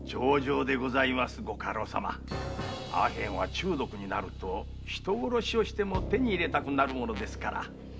中毒になると人を殺しても手に入れたくなるものですから。